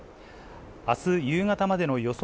あす夕方までの予想